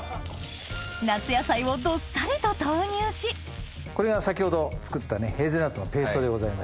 夏野菜をどっさりと投入しこれが先ほど作ったヘーゼルナッツのペーストでございまして。